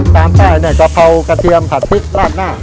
ตามใต้เนี่ยกะเพรากระเทียมผัดพริกราดหน้า